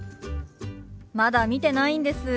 まだ見てないんです。